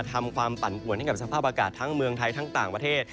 ทำความปั่นป่วนให้กับสภาพอากาศทั้งเมืองไทยทั้งต่างประเทศ